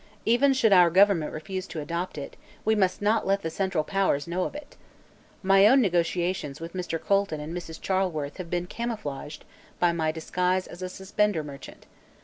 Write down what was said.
Even should our government refuse to adopt it; we must not let the Central Powers know of it. My own negotiations with Mr. Colton and Mrs. Charleworth have been camouflaged by my disguise as a suspender merchant.